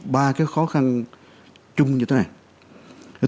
ba cái khó khăn chung như thế này